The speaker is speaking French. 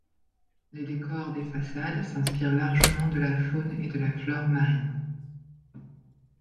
Les décors des façades s'inspirent largement de la faune et de la flore marine.